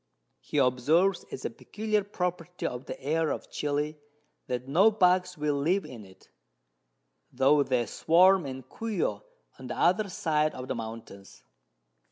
He observes as a peculiar Property of the Air of Chili, that no Bugs will live in it, tho' they swarm in Cuio on the other side of the Mountains.